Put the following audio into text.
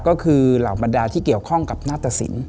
ก็คือเหล่าบรรดาที่เกี่ยวข้องกับหน้าตะสิน